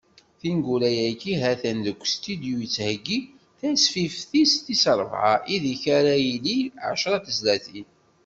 Tineggura-agi, ha-t-an deg ustudyu, yettheggi tasfift-is tis rebɛa, ideg ara ilit ɛecra n tezlatin.